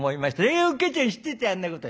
「えおっかちゃん知っててあんなこと」。